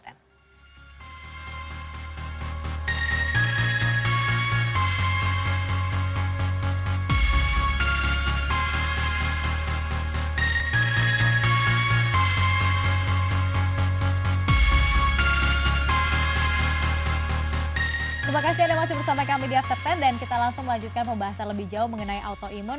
terima kasih sudah bersama kami di after sepuluh dan kita langsung lanjutkan pembahasan lebih jauh mengenai autoimmune